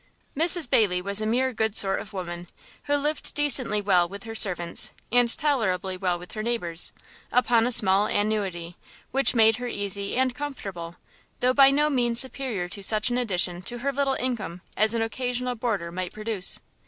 Mrs Bayley was a mere good sort of woman, who lived decently well with her servants, and tolerably well with her neighbours, upon a small annuity, which made her easy and comfortable, though by no means superior to such an addition to her little income as an occasional boarder might produce.